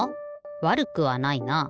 わるくはないな。